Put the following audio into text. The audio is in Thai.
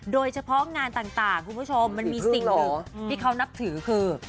โดยเฉพาะงานต่างคุณผู้ชมมันมีสิ่งหนึ่งที่เขานับถือคือ